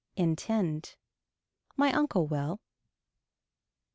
Intend. My uncle will.